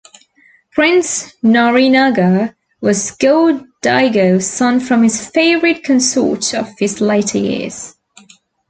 "Prince Norinaga" was Go-Daigo's son from his "favorite consort of his later years".